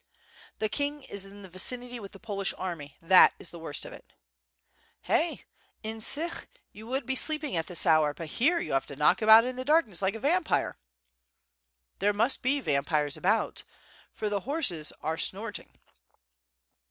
"The king is in the vicinity with the Polish army, that is the worst of it." "Hey! in Sich you would be sleeping at this hour, but here you have to knock about in the darkness like a vampire." "There must be vampires about, for the horses are snort ing."